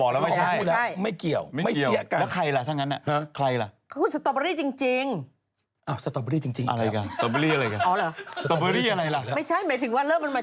แล้วยังไงจริงแล้วไม่ใช่เหรอ